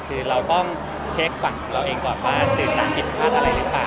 คือเราต้องเช็คฝั่งของเราเองก่อนว่าสื่อหนังผิดพลาดอะไรหรือเปล่า